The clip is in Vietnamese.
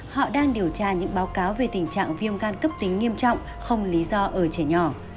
họ đang điều tra những báo cáo về tình trạng viêm gan cấp tính nghiêm trọng không lý do ở trẻ nhỏ